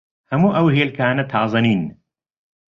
هەموو ئەو هێلکانە تازە نین.